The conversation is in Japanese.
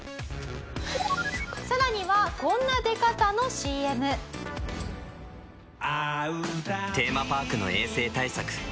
「さらにはこんな出方の ＣＭ」テーマパークの衛生対策